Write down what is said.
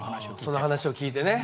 その話を聞いてね。